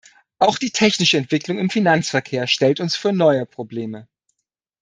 Auch die technische Entwicklung im Finanzverkehr stellt uns vor neue Probleme.